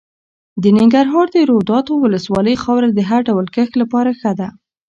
د ننګرهار د روداتو ولسوالۍ خاوره د هر ډول کښت لپاره ښه ده.